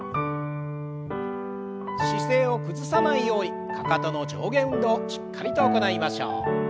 姿勢を崩さないようにかかとの上下運動しっかりと行いましょう。